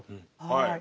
はい。